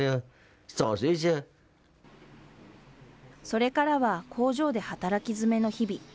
それからは工場で働き詰めの日々。